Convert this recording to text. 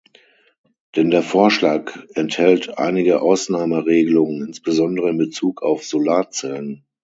Denn der Vorschlag enthält einige Ausnahmeregelungen, insbesondere in Bezug auf Solarzellen.